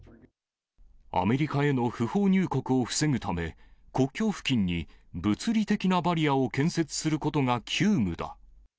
アメリカへの不法入国を防ぐため、国境付近に物理的なバリアを建設することが急務だ。